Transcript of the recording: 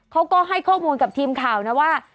เขาก็ให้ข้อมูลกับทีมข่าวนะว่า